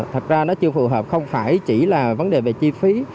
thật ra nó chưa phù hợp không phải chỉ là vấn đề về chi phí